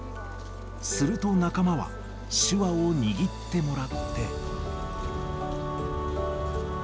すると仲間は、手話を握ってもらって。